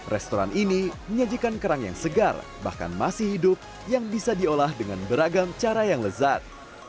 restoran ini menyajikan kerang yang segar bahkan masih hidup yang bisa diolah dengan beragam cara yang lezat